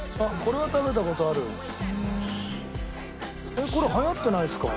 えっこれ流行ってないですか？